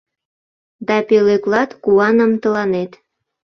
Да пӧлеклат куаным тыланет.